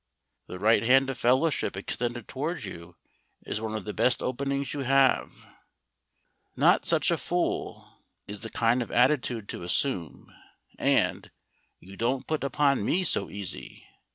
The right hand of fellowship extended towards you is one of the best openings you have. "Not such a fool," is the kind of attitude to assume, and "You don't put upon me so easy."